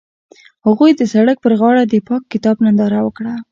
هغوی د سړک پر غاړه د پاک کتاب ننداره وکړه.